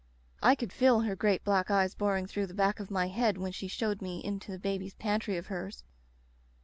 "I could feel her great black eyes boring through the back of my head when she showed me into this baby's pantry of hers.